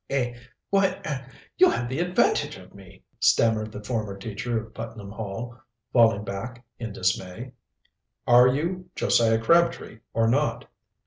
"Eh? Why er you have the advantage of me!" stammered the former teacher of Putnam Hall, falling back in dismay. "Are you Josiah Crabtree or not?"